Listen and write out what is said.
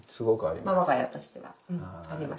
まあ我が家としてはあります。